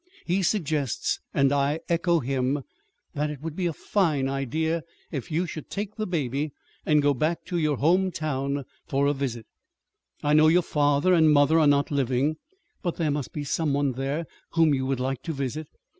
He suggests and I echo him that it would be a fine idea if you should take the baby and go back to your home town for a visit. I know your father and mother are not living; but there must be some one there whom you would like to visit.